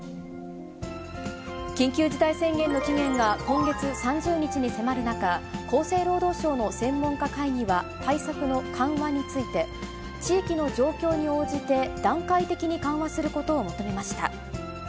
緊急事態宣言の期限が今月３０日に迫る中、厚生労働省の専門家会議は、対策の緩和について、地域の状況に応じて、段階的に緩和することを求めました。